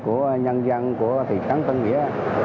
của nhân dân của thị trấn tân nghĩa